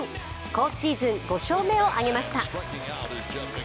今シーズン５勝目を挙げました。